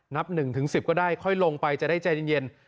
นับ๑๑๐ก็ได้ค่อยลงไปจะได้ใจเย็น